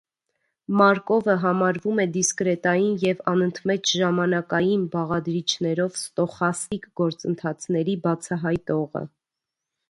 Մարկովը համարվում է դիսկրետային և անընդմեջ ժամանակային բաղադրիչներով ստոխաստիկ գործընթացների բացահայտողը։